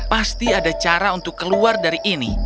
pasti ada cara untuk keluar dari ini